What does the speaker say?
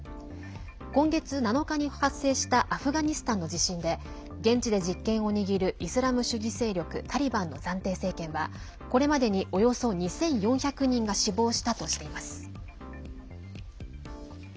今月７日に発生したアフガニスタンの地震で現地で実権を握るイスラム主義勢力タリバンの暫定政権はこれまでに、およそ２４００人が死亡したとしています。